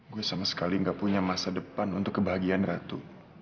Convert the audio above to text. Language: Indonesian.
gue sama sekali gak punya masa depan untuk kebahagiaan ratu